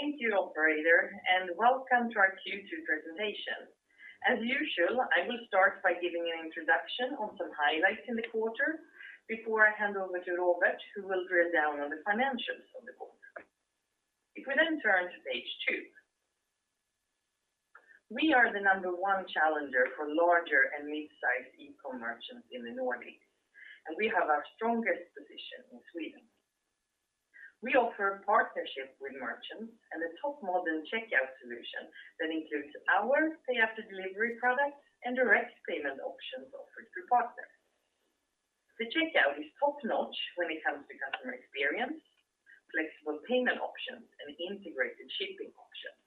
Thank you, operator, and welcome to our Q2 presentation. As usual, I will start by giving an introduction on some highlights in the quarter before I hand over to Robert, who will drill down on the financials of the quarter. If we turn to page two. We are the number one challenger for larger and mid-size e-commerce merchants in the Nordics, and we have our strongest position in Sweden. We offer partnership with merchants and a top-model checkout solution that includes our pay after delivery product and direct payment options offered through partners. The checkout is top-notch when it comes to customer experience, flexible payment options and integrated shipping options.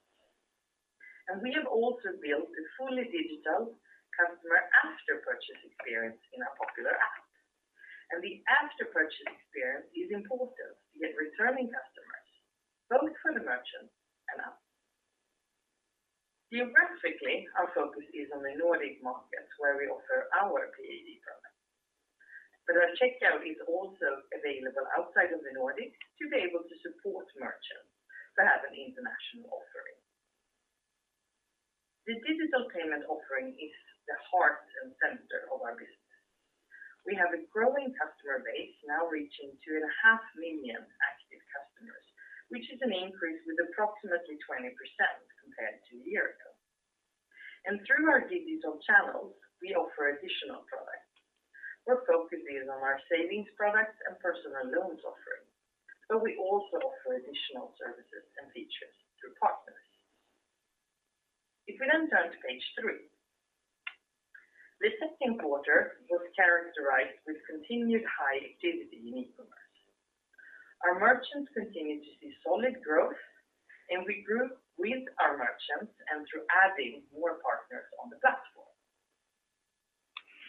We have also built a fully digital customer after-purchase experience in our popular app. The after-purchase experience is important to get returning customers, both for the merchants and us. Geographically, our focus is on the Nordic markets where we offer our PAD product. Our checkout is also available outside of the Nordic to be able to support merchants that have an international offering. The digital payment offering is the heart and center of our business. We have a growing customer base now reaching 2.5 million active customers, which is an increase with approximately 20% compared to a year ago. Through our digital channels, we offer additional products. Our focus is on our savings products and personal loans offering, but we also offer additional services and features through partners. If we then turn to page three. The second quarter was characterized with continued high activity in e-commerce. Our merchants continued to see solid growth, we grew with our merchants and through adding more partners on the platform.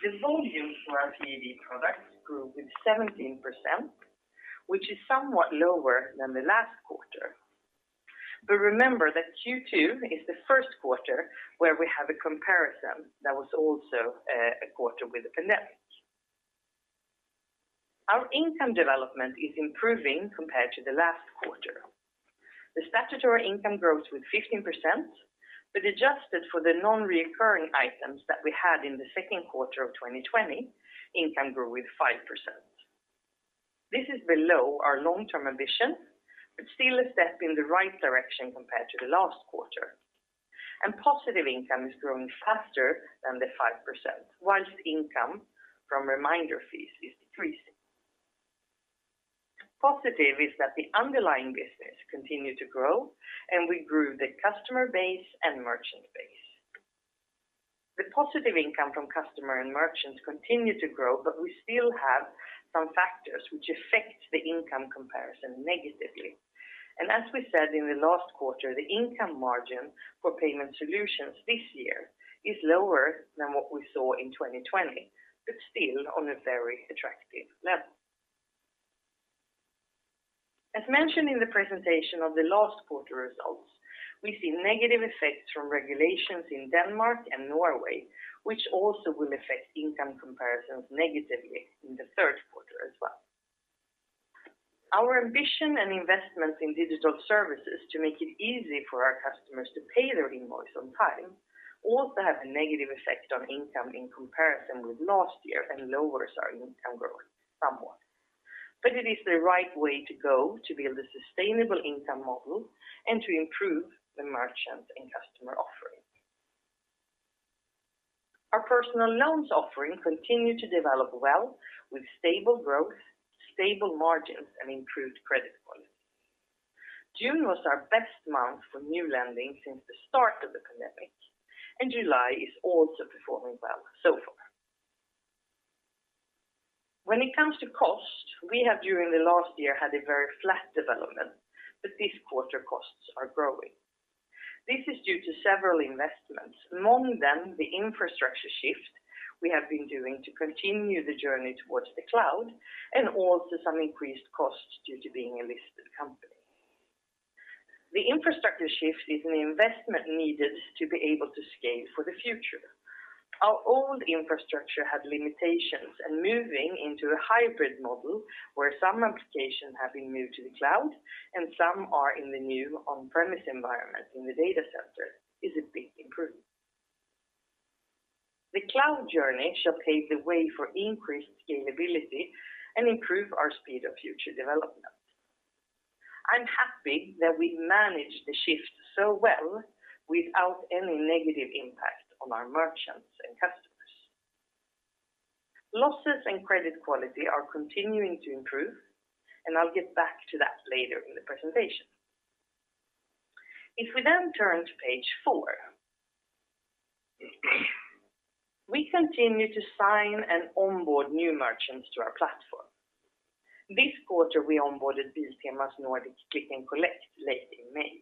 The volume for our PAD products grew with 17%, which is somewhat lower than the last quarter. Remember that Q2 is the first quarter where we have a comparison that was also a quarter with the pandemic. Our income development is improving compared to the last quarter. The statutory income grows with 15%, but adjusted for the non-recurring items that we had in the second quarter of 2020, income grew with 5%. This is below our long-term ambition, but still a step in the right direction compared to the last quarter. Positive income is growing faster than the 5%, while income from reminder fees is decreasing. Positive is that the underlying business continued to grow, and we grew the customer base and merchant base. The positive income from customer and merchants continued to grow, but we still have some factors which affect the income comparison negatively. As we said in the last quarter, the income margin for Payment Solutions this year is lower than what we saw in 2020, but still on a very attractive level. As mentioned in the presentation of the last quarter results, we see negative effects from regulations in Denmark and Norway, which also will affect income comparisons negatively in the third quarter as well. Our ambition and investments in digital services to make it easy for our customers to pay their invoice on time also have a negative effect on income in comparison with last year and lowers our income growth somewhat. It is the right way to go to build a sustainable income model and to improve the merchant and customer offering. Our personal loans offering continued to develop well with stable growth, stable margins and improved credit quality. June was our best month for new lending since the start of the pandemic, and July is also performing well so far. When it comes to cost, we have during the last year had a very flat development, but this quarter costs are growing. This is due to several investments, among them the infrastructure shift we have been doing to continue the journey towards the cloud and also some increased costs due to being a listed company. The infrastructure shift is an investment needed to be able to scale for the future. Our old infrastructure had limitations and moving into a hybrid model where some applications have been moved to the cloud and some are in the new on-premise environment in the data center is a big improvement. The cloud journey shall pave the way for increased scalability and improve our speed of future development. I'm happy that we managed the shift so well without any negative impact on our merchants and customers. Losses and credit quality are continuing to improve, and I'll get back to that later in the presentation. If we then turn to page four. We continue to sign and onboard new merchants to our platform. This quarter, we onboarded Biltema's Nordic click and collect late in May.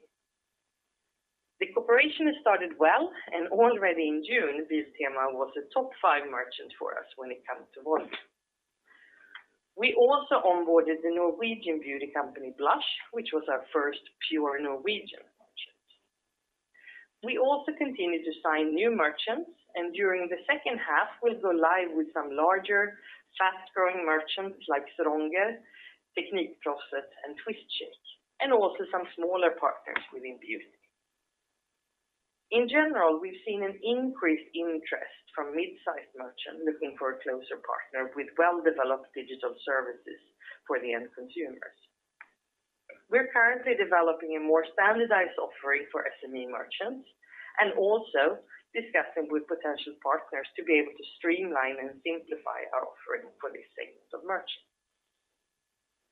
The cooperation has started well, and already in June, Biltema was a top five merchant for us when it comes to volume. We also onboarded the Norwegian beauty company Blush, which was our first pure Norwegian. We also continue to sign new merchants, and during the second half we'll go live with some larger, fast-growing merchants like Stronger, Teknikmagasinet and Twistshake, and also some smaller partners within beauty. In general, we've seen an increased interest from mid-sized merchants looking for a closer partner with well-developed digital services for the end consumers. We're currently developing a more standardized offering for SME merchants and also discussing with potential partners to be able to streamline and simplify our offering for these segments of merchants.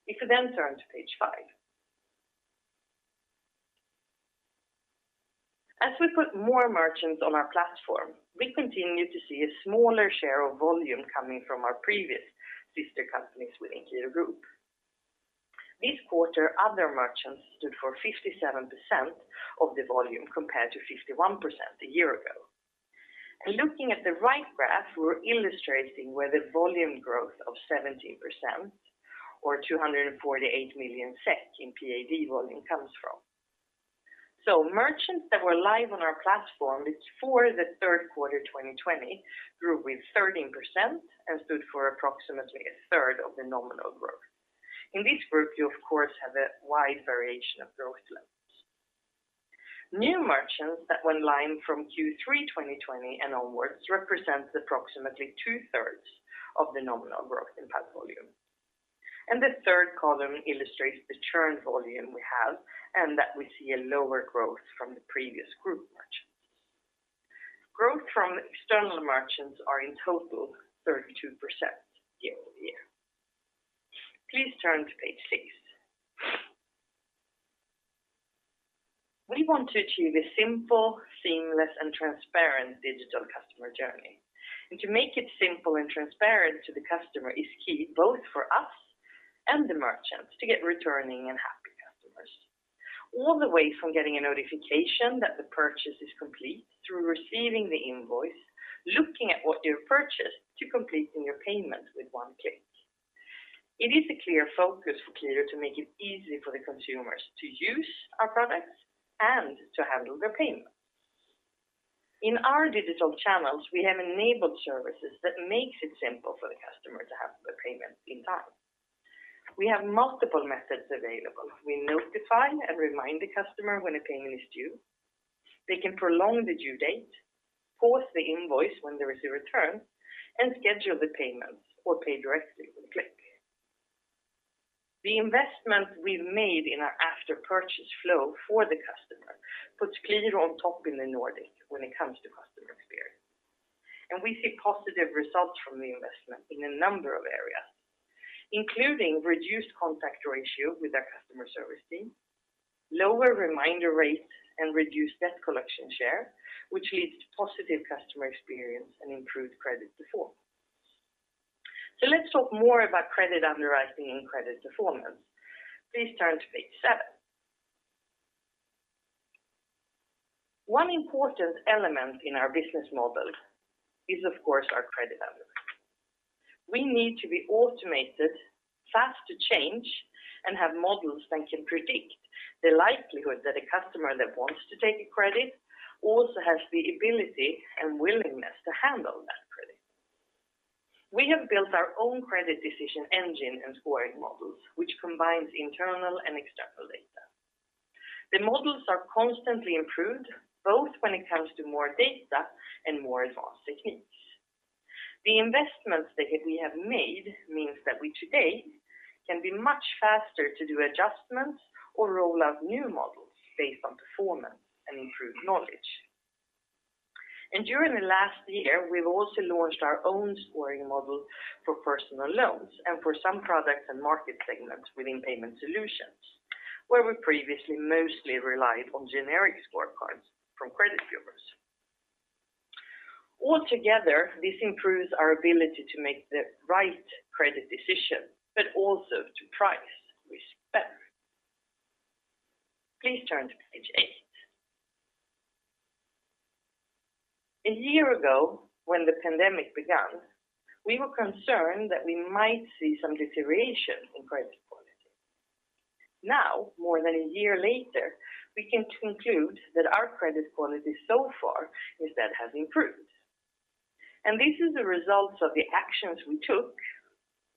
If you turn to page five. As we put more merchants on our platform, we continue to see a smaller share of volume coming from our previous sister companies within Qliro Group. This quarter, other merchants stood for 57% of the volume compared to 51% a year ago. Looking at the right graph, we're illustrating where the volume growth of 17%, or 248 million SEK in PAD volume comes from. Merchants that were live on our platform before the third quarter 2020 grew with 13% and stood for approximately a third of the nominal growth. In this group, you of course have a wide variation of growth levels. New merchants that went live from Q3 2020 and onwards represent approximately two-thirds of the nominal growth in PAD volume. The 3rd column illustrates the churn volume we have, and that we see a lower growth from the previous group merchants. Growth from external merchants are in total 32% year-over-year. Please turn to page six. We want to achieve a simple, seamless, and transparent digital customer journey. To make it simple and transparent to the customer is key both for us and the merchants to get returning and happy customers, all the way from getting a notification that the purchase is complete, through receiving the invoice, looking at what you purchased, to completing your payment with one click. It is a clear focus for Qliro to make it easy for the consumers to use our products and to handle their payments. In our digital channels, we have enabled services that makes it simple for the customer to have the payment in time. We have multiple methods available. We notify and remind the customer when a payment is due. They can prolong the due date, pause the invoice when there is a return, and schedule the payments or pay directly with a click. The investment we've made in our after-purchase flow for the customer puts Qliro on top in the Nordic when it comes to customer experience. We see positive results from the investment in a number of areas, including reduced contact ratio with our customer service team, lower reminder rates, and reduced debt collection share, which leads to positive customer experience and improved credit performance. Let's talk more about credit underwriting and credit performance. Please turn to page seven. One important element in our business model is, of course, our credit underwriting. We need to be automated, fast to change, and have models that can predict the likelihood that a customer that wants to take a credit also has the ability and willingness to handle that credit. We have built our own credit decision engine and scoring models, which combines internal and external data. The models are constantly improved, both when it comes to more data and more advanced techniques. The investments that we have made means that we today can be much faster to do adjustments or roll out new models based on performance and improved knowledge. During the last year, we've also launched our own scoring model for personal loans and for some products and market segments within Payment Solutions, where we previously mostly relied on generic scorecards from credit bureaus. Altogether, this improves our ability to make the right credit decision, but also to price risk better. Please turn to page eight. A year ago, when the pandemic began, we were concerned that we might see some deterioration in credit quality. More than a year later, we can conclude that our credit quality so far instead has improved. This is the result of the actions we took,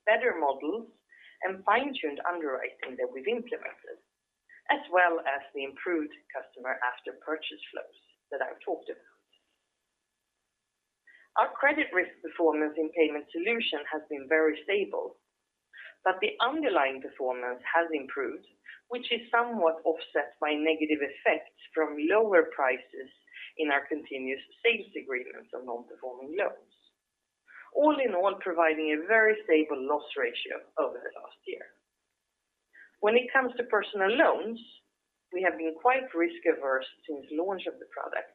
better models, and fine-tuned underwriting that we've implemented, as well as the improved customer after-purchase flows that I've talked about. Our credit risk performance in Payment Solutions has been very stable, the underlying performance has improved, which is somewhat offset by negative effects from lower prices in our continuous sales agreements on non-performing loans. All in all, providing a very stable loss ratio over the last year. When it comes to personal loans, we have been quite risk-averse since launch of the product,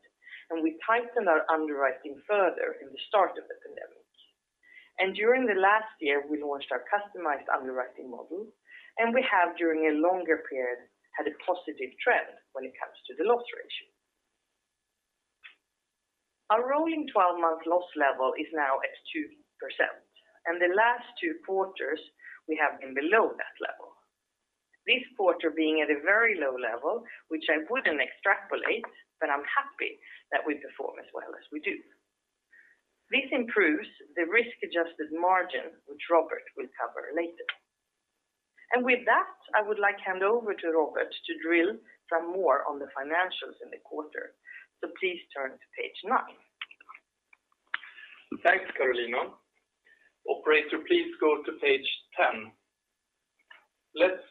we tightened our underwriting further in the start of the pandemic. During the last year, we launched our customized underwriting model, and we have during a longer period had a positive trend when it comes to the loss ratio. Our rolling 12-month loss level is now at 2%, and the last two quarters we have been below that level. This quarter being at a very low level, which I wouldn't extrapolate, but I'm happy that we perform as well as we do. This improves the risk-adjusted margin, which Robert will cover later. With that, I would like hand over to Robert to drill down more on the financials in the quarter. Please turn to page nine. Thanks, Carolina. Operator, please go to page 10. Let's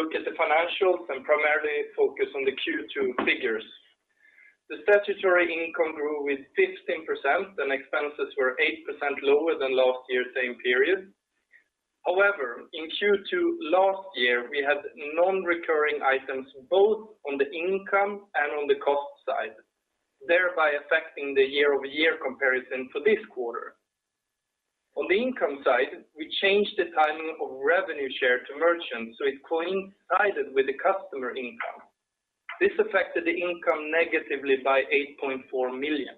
look at the financials and primarily focus on the Q2 figures. The statutory income grew with 15% and expenses were 8% lower than last year, same period. However, in Q2 last year, we had non-recurring items both on the income and on the cost side, thereby affecting the year-over-year comparison for this quarter. On the income side, we changed the timing of revenue share to merchants, so it coincided with the customer income. This affected the income negatively by 8.4 million.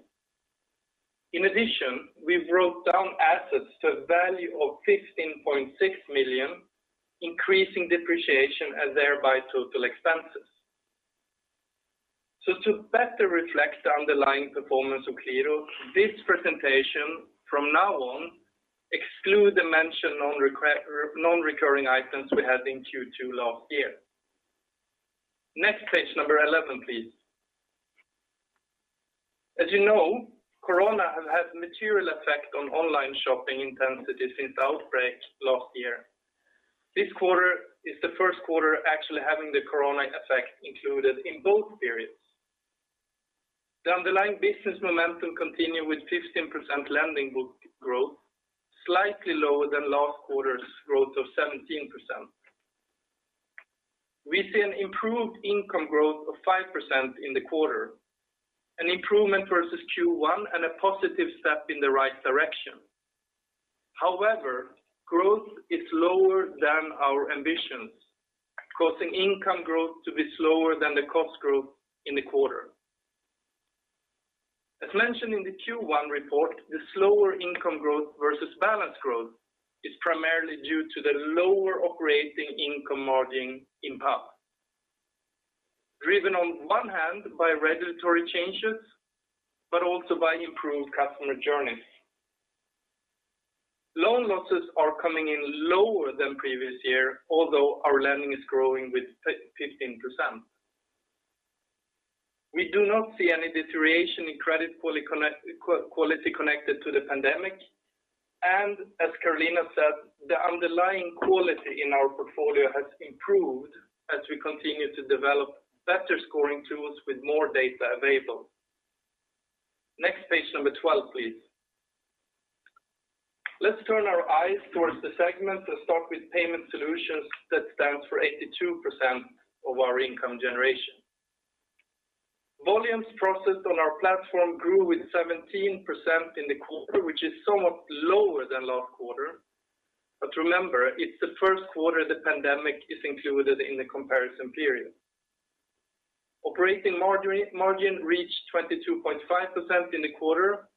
In addition, we wrote down assets to a value of 15.6 million, increasing depreciation and thereby total expenses. To better reflect the underlying performance of Qliro, this presentation from now on excludes the mentioned non-recurring items we had in Q2 last year. Next page, number 11, please. As you know, Corona has had a material effect on online shopping intensity since the outbreak last year. This quarter is the first quarter actually having the Corona effect included in both periods. The underlying business momentum continued with 15% lending book growth, slightly lower than last quarter's growth of 17%. We see an improved income growth of 5% in the quarter, an improvement versus Q1 and a positive step in the right direction. Growth is lower than our ambitions, causing income growth to be slower than the cost growth in the quarter. As mentioned in the Q1 report, the slower income growth versus balance growth is primarily due to the lower operating income margin impact, driven on one hand by regulatory changes, but also by improved customer journeys. Loan losses are coming in lower than previous year, although our lending is growing with 15%. We do not see any deterioration in credit quality connected to the pandemic. As Carolina said, the underlying quality in our portfolio has improved as we continue to develop better scoring tools with more data available. Next page, number 12, please. Let's turn our eyes towards the segment. Let's start with Payment Solutions that stands for 82% of our income generation. Volumes processed on our platform grew with 17% in the quarter, which is somewhat lower than last quarter. Remember, it's the first quarter the pandemic is included in the comparison period. Operating margin reached 22.5% in the quarter,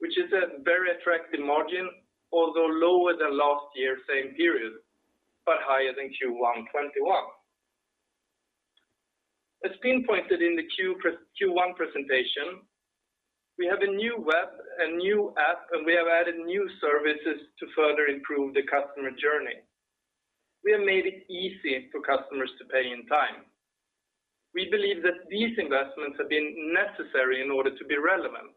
which is a very attractive margin, although lower than last year same period, but higher than Q1 2021. As pinpointed in the Q1 presentation, we have a new web, a new app, and we have added new services to further improve the customer journey. We have made it easy for customers to pay in time. We believe that these investments have been necessary in order to be relevant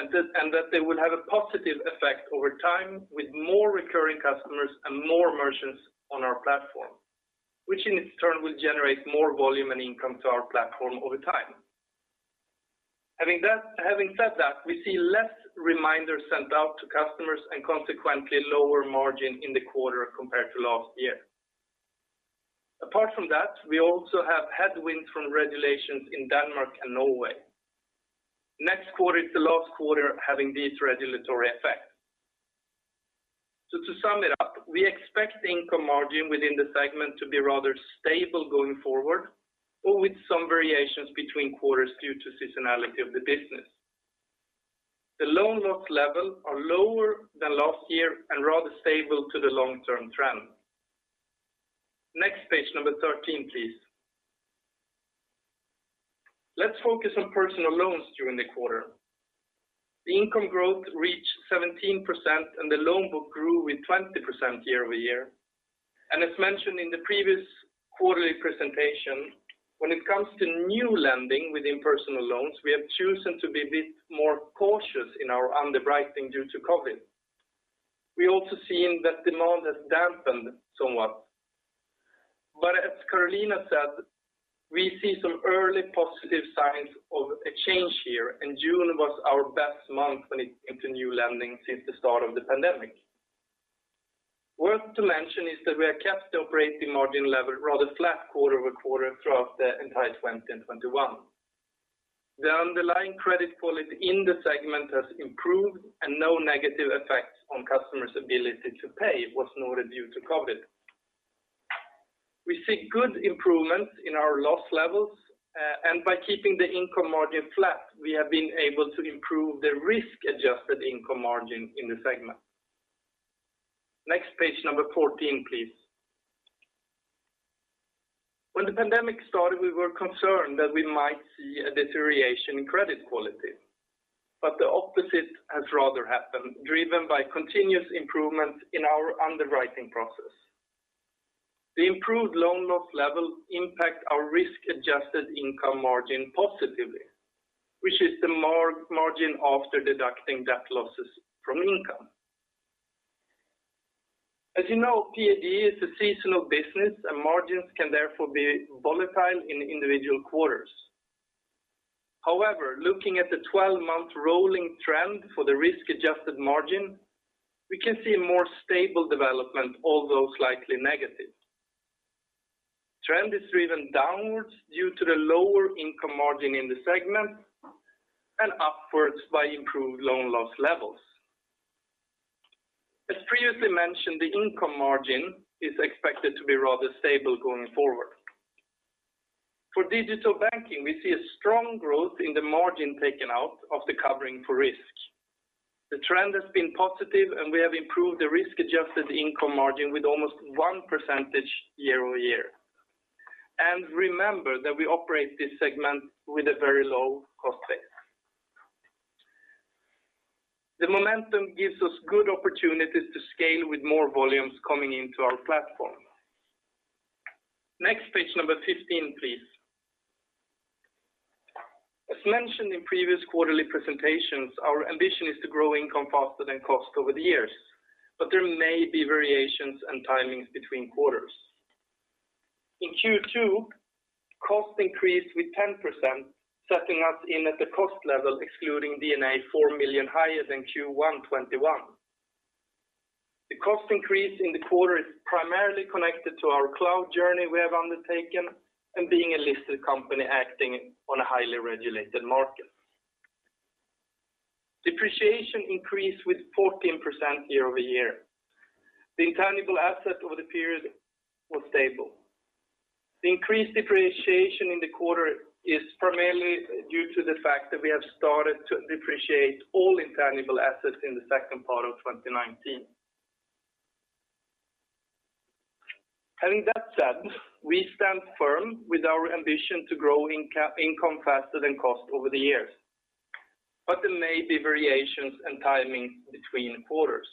and that they will have a positive effect over time with more recurring customers and more merchants on our platform, which in turn will generate more volume and income to our platform over time. Having said that, we see less reminders sent out to customers and consequently lower margin in the quarter compared to last year. Apart from that, we also have headwinds from regulations in Denmark and Norway. Next quarter is the last quarter having these regulatory effects. To sum it up, we expect the income margin within the segment to be rather stable going forward or with some variations between quarters due to seasonality of the business. The loan loss level are lower than last year and rather stable to the long-term trend. Next page, number 13, please. Let's focus on personal loans during the quarter. The income growth reached 17% and the loan book grew with 20% year-over-year. As mentioned in the previous quarterly presentation, when it comes to new lending within personal loans, we have chosen to be a bit more cautious in our underwriting due to COVID. We also seen that demand has dampened somewhat. As Carolina said, we see some early positive signs of a change here, and June was our best month when it came to new lending since the start of the pandemic. Worth to mention is that we have kept the operating margin level rather flat quarter-over-quarter throughout the entire 2020 and 2021. The underlying credit quality in the segment has improved and no negative effects on customers' ability to pay was noted due to COVID. We see good improvement in our loss levels, and by keeping the income margin flat, we have been able to improve the risk-adjusted income margin in the segment. Next, page number 14, please. When the pandemic started, we were concerned that we might see a deterioration in credit quality, but the opposite has rather happened, driven by continuous improvement in our underwriting process. The improved loan loss level impact our risk-adjusted income margin positively, which is the margin after deducting debt losses from income. As you know, PAD is a seasonal business, and margins can therefore be volatile in individual quarters. However, looking at the 12-month rolling trend for the risk-adjusted margin, we can see a more stable development, although slightly negative. Trend is driven downwards due to the lower income margin in the segment and upwards by improved loan loss levels. As previously mentioned, the income margin is expected to be rather stable going forward. For digital banking, we see a strong growth in the margin taken out of the covering for risks. The trend has been positive. We have improved the risk-adjusted income margin with almost 1 percentage year-over-year. Remember that we operate this segment with a very low cost base. The momentum gives us good opportunities to scale with more volumes coming into our platform. Next, page number 15, please. As mentioned in previous quarterly presentations, our ambition is to grow income faster than cost over the years, but there may be variations and timings between quarters. In Q2, cost increased with 10%, setting us in at the cost level, excluding D&A, 4 million higher than Q1 2021. The cost increase in the quarter is primarily connected to our cloud journey we have undertaken and being a listed company acting on a highly regulated market. Depreciation increased with 14% year-over-year. The intangible asset over the period was stable. The increased depreciation in the quarter is primarily due to the fact that we have started to depreciate all intangible assets in the second part of 2019. Having that said, we stand firm with our ambition to grow income faster than cost over the years, there may be variations in timing between quarters.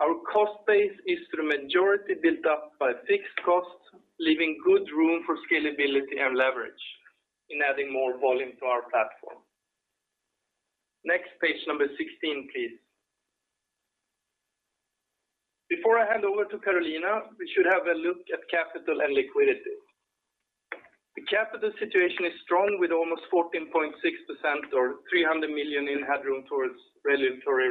Our cost base is for the majority built up by fixed costs, leaving good room for scalability and leverage in adding more volume to our platform. Next, page number 16, please. Before I hand over to Carolina, we should have a look at capital and liquidity. The capital situation is strong with almost 14.6% or 300 million in headroom towards regulatory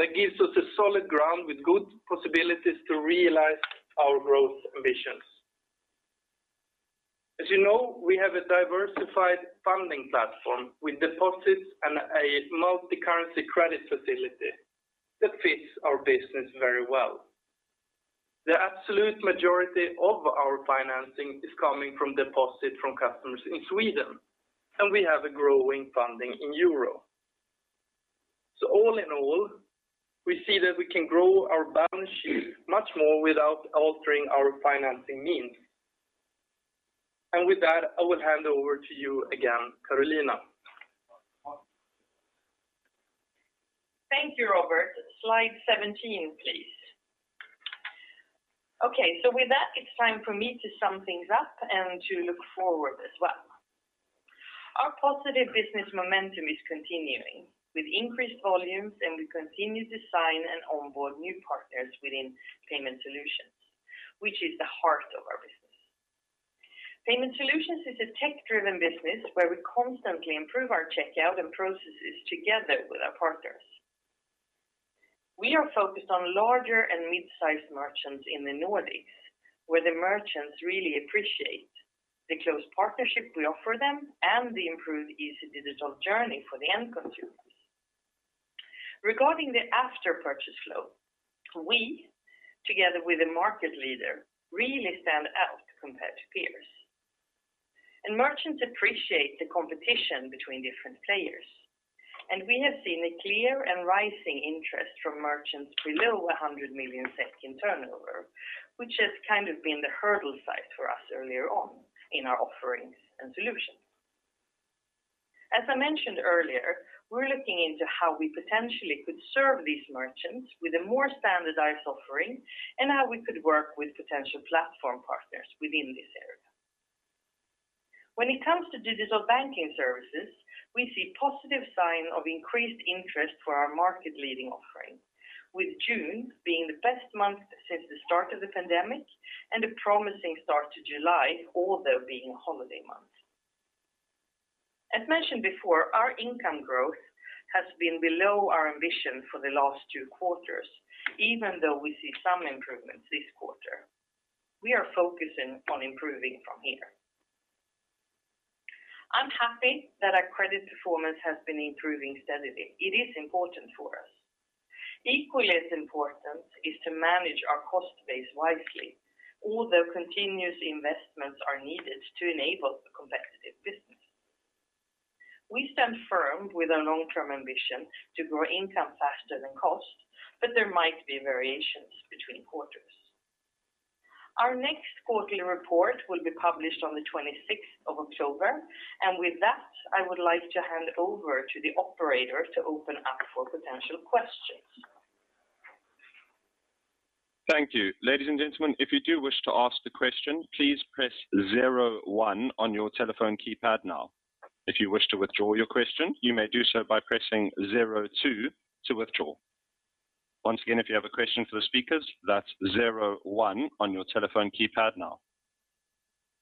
requirement. That gives us a solid ground with good possibilities to realize our growth ambitions. As you know, we have a diversified funding platform with deposits and a multi-currency credit facility that fits our business very well. The absolute majority of our financing is coming from deposit from customers in Sweden, and we have a growing funding in euro. All in all, we see that we can grow our balance sheet much more without altering our financing means. With that, I will hand over to you again, Carolina. Thank you, Robert. Slide 17, please. Okay, with that, it's time for me to sum things up and to look forward as well. Our positive business momentum is continuing with increased volumes, and we continue to sign and onboard new partners within Payment Solutions, which is the heart of our business. Payment Solutions is a tech-driven business where we constantly improve our checkout and processes together with our partners. We are focused on larger and midsize merchants in the Nordics, where the merchants really appreciate the close partnership we offer them and the improved easy digital journey for the end consumers. Regarding the after-purchase flow, we, together with the market leader, really stand out compared to peers. Merchants appreciate the competition between different players, and we have seen a clear and rising interest from merchants below 100 million SEK in turnover, which has kind of been the hurdle size for us earlier on in our offerings and solutions. As I mentioned earlier, we're looking into how we potentially could serve these merchants with a more standardized offering and how we could work with potential platform partners within this area. When it comes to digital banking services, we see positive sign of increased interest for our market-leading offering, with June being the best month since the start of the pandemic and a promising start to July, although being a holiday month. As mentioned before, our income growth has been below our ambition for the last two quarters, even though we see some improvements this quarter. We are focusing on improving from here. Happy that our credit performance has been improving steadily. It is important for us. Equally as important is to manage our cost base wisely, although continuous investments are needed to enable a competitive business. We stand firm with our long-term ambition to grow income faster than cost, but there might be variations between quarters. Our next quarterly report will be published on the 26th of October, and with that, I would like to hand over to the operator to open up for potential questions. Thank you.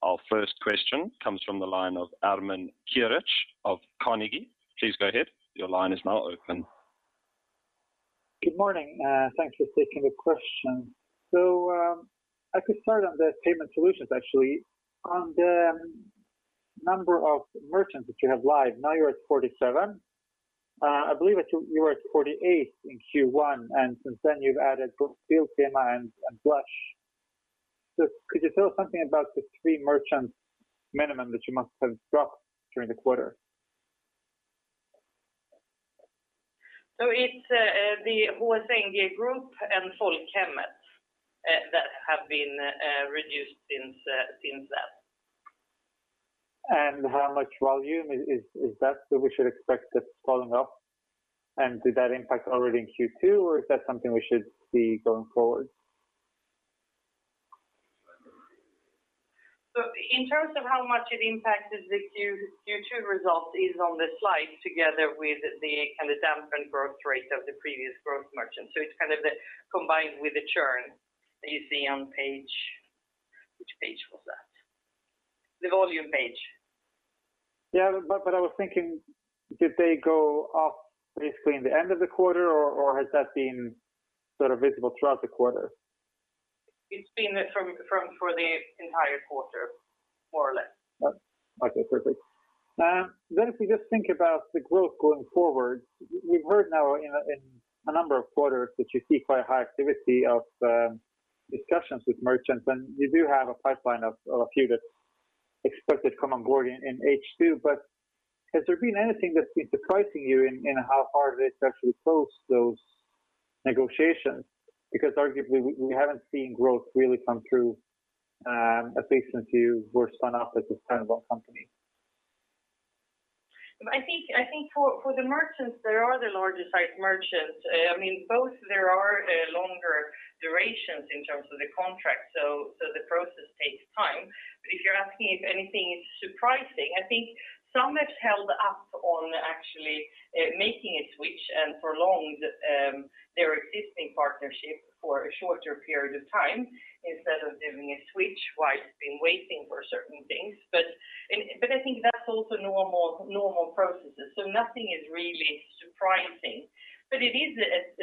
Our first question comes from the line of Ermin Keric of Carnegie. Please go ahead. Your line is now open. Good morning. Thanks for taking the question. I could start on the Payment Solutions, actually. On the number of merchants that you have live, now you're at 47. I believe that you were at 48 in Q1, and since then you've added both FieldOS and Blush. Could you tell us something about the three merchants minimum that you must have dropped during the quarter? It's the H&M Group and Folkhemmet that have been reduced since then. How much volume is that that we should expect that's falling off? Did that impact already in Q2, or is that something we should see going forward? In terms of how much it impacted the Q2 results is on the slide together with the kind of dampened growth rate of the previous growth merchants. It's kind of combined with the churn that you see on page. Which page was that? The volume page. Yeah, I was thinking, did they go off basically in the end of the quarter, or has that been sort of visible throughout the quarter? It's been for the entire quarter, more or less. Okay, perfect. If we just think about the growth going forward, we've heard now in a number of quarters that you see quite high activity of discussions with merchants, and you do have a pipeline of a few that's expected to come on board in H2. Has there been anything that's been surprising you in how hard it is to actually close those negotiations? Arguably, we haven't seen growth really come through at least since you were spun off as a standalone company. I think for the merchants, they are the larger site merchants. Both there are longer durations in terms of the contract, so the process takes time. If you're asking if anything is surprising, I think some have held up on actually making a switch and prolonged their existing partnership for a shorter period of time instead of doing a switch while it's been waiting for certain things. I think that's also normal processes, so nothing is really surprising. It is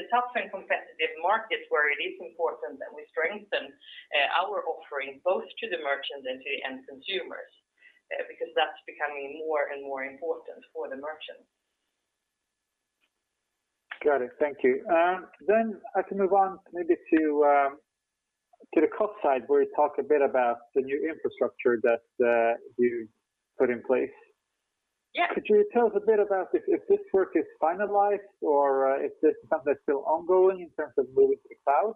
a tough and competitive market where it is important that we strengthen our offering both to the merchants and to end consumers, because that's becoming more and more important for the merchants. Got it. Thank you. I can move on maybe to the cost side, where you talk a bit about the new infrastructure that you put in place. Yeah. Could you tell us a bit about if this work is finalized or is this something that's still ongoing in terms of moving to the cloud?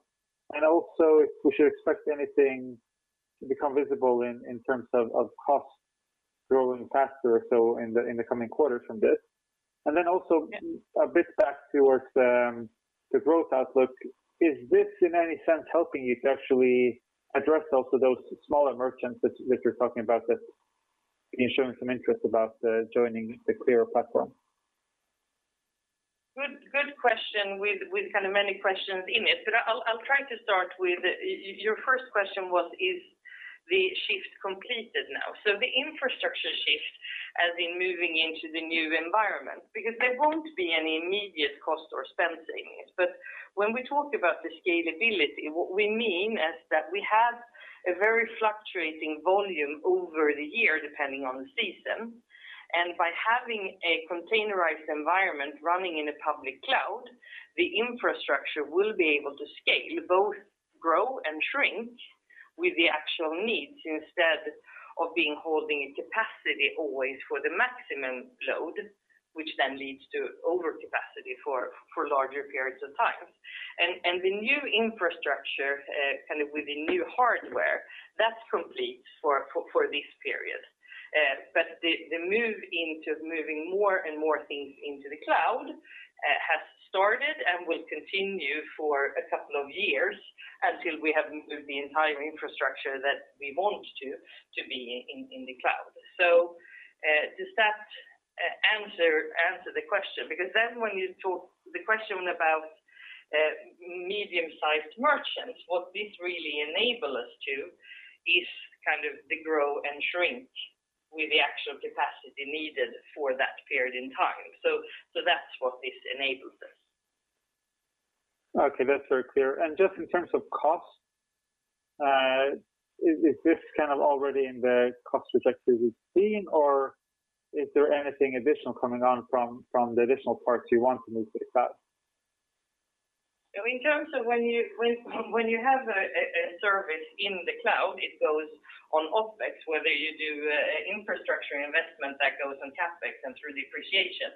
Also if we should expect anything to become visible in terms of costs growing faster or so in the coming quarters from this. Also a bit back towards the growth outlook. Is this in any sense helping you to actually address also those smaller merchants that you're talking about that are showing some interest about joining the Qliro platform? Good question with kind of many questions in it. I'll try to start with, your first question was, is the shift completed now? The infrastructure shift, as in moving into the new environment, because there won't be any immediate cost or spend savings. When we talk about the scalability, what we mean is that we have a very fluctuating volume over the year, depending on the season. By having a containerized environment running in a public cloud, the infrastructure will be able to scale, both grow and shrink with the actual needs instead of being holding a capacity always for the maximum load, which then leads to overcapacity for larger periods of time. The new infrastructure, kind of with the new hardware, that's complete for this period. The move into moving more and more things into the cloud has started and will continue for a couple of years until we have moved the entire infrastructure that we want to be in the cloud. Does that answer the question? When you talk the question about medium-sized merchants, what this really enable us to is kind of the grow and shrink with the actual capacity needed for that period in time. That's what this enables us. Okay, that's very clear. Just in terms of cost, is this already in the cost trajectory we've seen, or is there anything additional coming on from the additional parts you want to move to the cloud? In terms of when you have a service in the cloud, it goes on OpEx, whether you do infrastructure investment that goes on CapEx and through depreciation.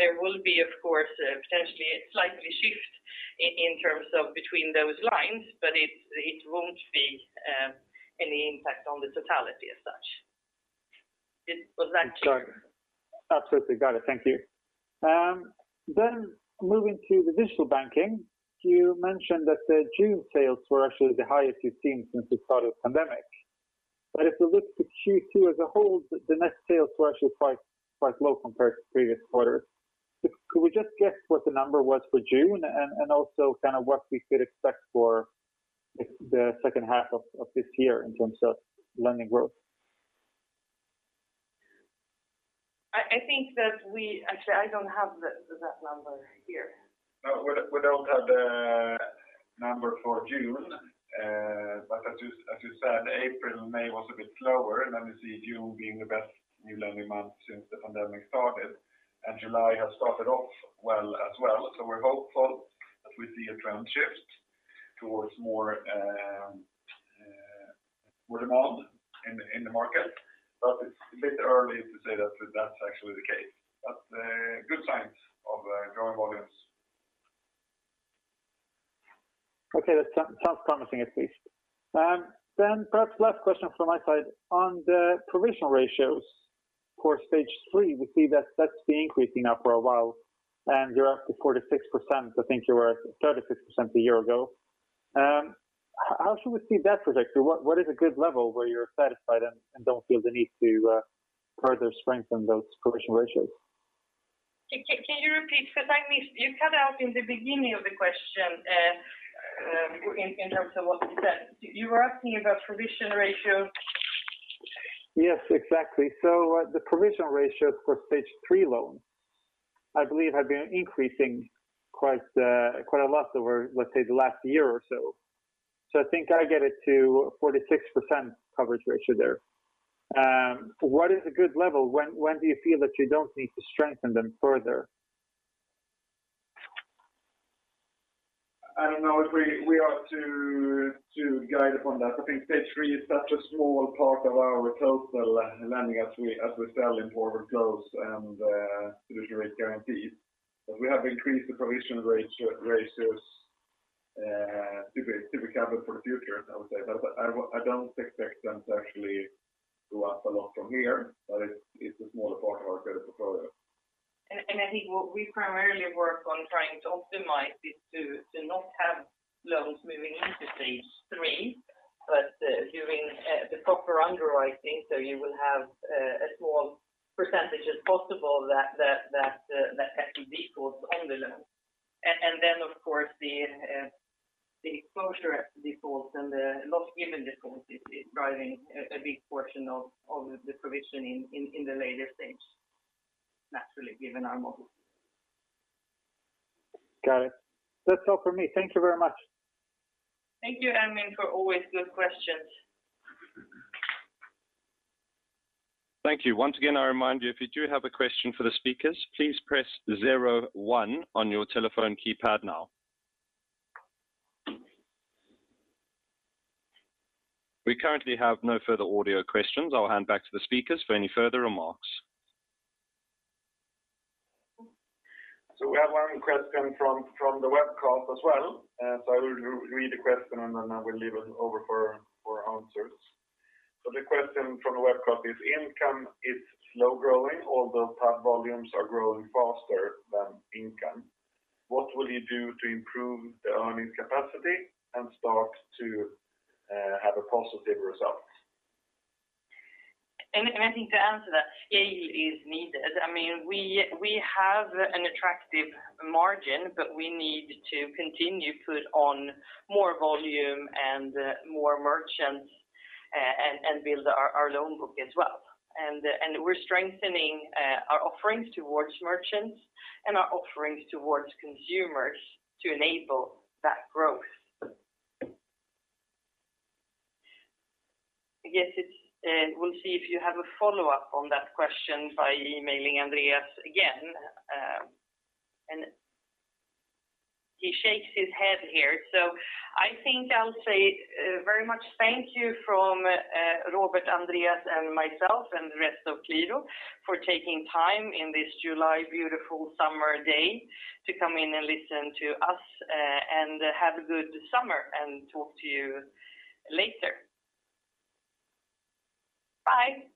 There will be, of course, potentially a slight shift in terms of between those lines, but it won't be any impact on the totality as such. Was that clear? Absolutely. Got it. Thank you. Moving to the digital banking, you mentioned that the June sales were actually the highest you've seen since the start of the pandemic. If you look at Q2 as a whole, the net sales were actually quite low compared to previous quarters. Could we just get what the number was for June and also what we could expect for the second half of this year in terms of lending growth? Actually, I don't have that number here. We don't have the number for June. As you said, April, May was a bit slower, then we see June being the best new lending month since the pandemic started. July has started off well as well. We're hopeful that we see a trend shift towards more demand in the market. It's a bit early to say that that's actually the case. Good signs of growing volumes. Okay. That sounds promising at least. Perhaps last question from my side. On the provision ratios for Stage 3, we see that that's been increasing now for a while, and you're up to 46%. I think you were 36% one year ago. How should we see that trajectory? What is a good level where you're satisfied and don't feel the need to further strengthen those provision ratios? Can you repeat? Because you cut out in the beginning of the question in terms of what you said. You were asking about provision ratio. Yes, exactly. The provision ratios for Stage 3 loans, I believe, have been increasing quite a lot over, let's say, the last year or so. I think I get it to 46% coverage ratio there. What is a good level? When do you feel that you don't need to strengthen them further? I don't know if we are to guide upon that. I think Stage 3 is such a small part of our total lending as we sell in forward flows and resolution rate guarantees. We have increased the provision ratios to be covered for the future, I would say. I don't expect them to actually go up a lot from here, but it's a smaller part of our credit portfolio. I think what we primarily work on trying to optimize is to not have loans moving into Stage 3, but doing the proper underwriting so you will have as small a percentage as possible that actually defaults on the loan. Then, of course, the exposure defaults and the loss given defaults is driving a big portion of the provisioning in the later stage, naturally, given our model. Got it. That's all from me. Thank you very much. Thank you, Ermin, for always good questions. Thank you. Once again, I remind you, if you do have a question for the speakers, please press zero one on your telephone keypad now. We currently have no further audio questions. I'll hand back to the speakers for any further remarks. We have one question from the web call as well. I will read the question, and then I will leave it over for answers. The question from the web call is: Income is slow growing, although card volumes are growing faster than income. What will you do to improve the earnings capacity and start to have a positive result? I think to answer that, scale is needed. We have an attractive margin, but we need to continue to put on more volume and more merchants and build our loan book as well. We're strengthening our offerings towards merchants and our offerings towards consumers to enable that growth. I guess we'll see if you have a follow-up on that question by emailing Andreas again. He shakes his head here. I think I'll say very much thank you from Robert, Andreas, and myself and the rest of Qliro for taking time in this July beautiful summer day to come in and listen to us, and have a good summer and talk to you later. Bye.